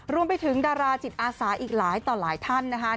รวมไปถึงดาราจิตอาสาอีกหลายต่อหลายท่านนะคะ